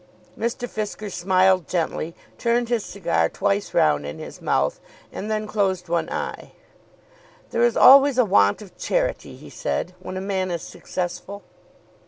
Mr. Fisker smiled gently, turned his cigar twice round in his mouth, and then closed one eye. "There is always a want of charity," he said, "when a man is successful."